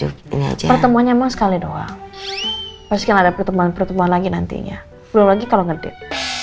pertemuan emang sekali doang pasti ada pertemuan pertemuan lagi nantinya belum lagi kalau ngedit